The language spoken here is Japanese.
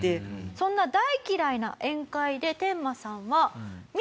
そんな大嫌いな宴会でテンマさんは。